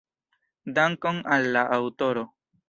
Dankon al la aŭtoro.